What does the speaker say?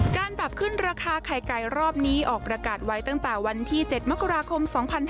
การปรับขึ้นราคาไข่ไก่รอบนี้ออกประกาศไว้ตั้งแต่วันที่๗มกราคม๒๕๕๙